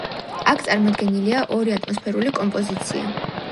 აქ წარმოდგენილია ორი ატმოსფერული კომპოზიცია.